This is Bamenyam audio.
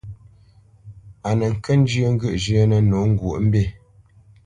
A nə kə́ njyə́ ŋgyə̂ʼ zhyə́nə̄ nǒ ŋgwǒʼmbî.